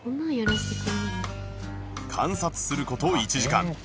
観察する事１時間